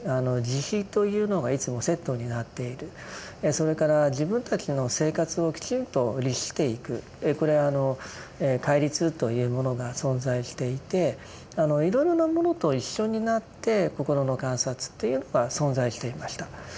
それから自分たちの生活をきちんと律していくこれ戒律というものが存在していていろいろなものと一緒になって心の観察というのが存在していました。